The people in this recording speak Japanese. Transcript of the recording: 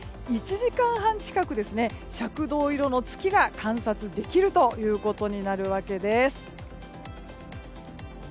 １時間半近く、赤銅色の月が観察できることになるわけです。